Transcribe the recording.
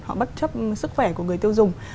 họ bất chấp sức khỏe của người tiêu dùng